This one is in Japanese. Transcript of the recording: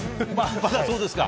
まだそうですか。